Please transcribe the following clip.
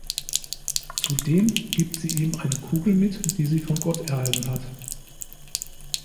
Zudem gibt sie ihm eine Kugel mit, die sie von Gott erhalten hat.